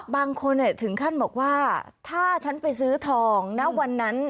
บางคนถึงขั้นบอกว่าถ้าฉันไปซื้อทองณวันนั้น